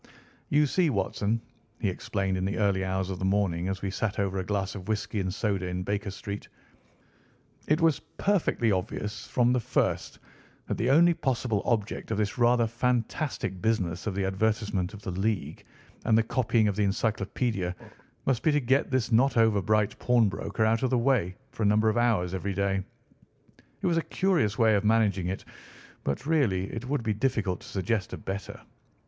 "You see, Watson," he explained in the early hours of the morning as we sat over a glass of whisky and soda in Baker Street, "it was perfectly obvious from the first that the only possible object of this rather fantastic business of the advertisement of the League, and the copying of the Encyclopædia, must be to get this not over bright pawnbroker out of the way for a number of hours every day. It was a curious way of managing it, but, really, it would be difficult to suggest a better.